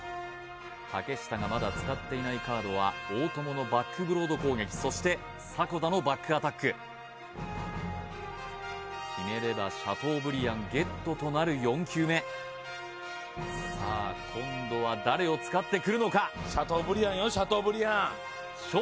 竹下がまだ使っていないカードは大友のバックブロード攻撃そして迫田のバックアタック決めればシャトーブリアンＧＥＴとなる４球目さあ今度は誰を使ってくるのかシャトーブリアンよ